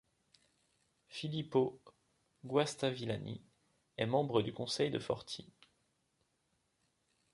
Filippo Guastavillani est membre du conseil de Forty.